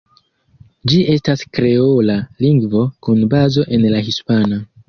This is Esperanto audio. Ĝi estas kreola lingvo, kun bazo en la hispana.